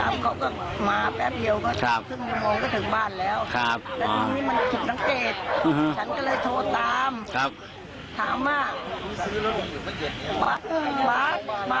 บาดบาดหลานก็ยังบาดบาดมันก็ไม่รับ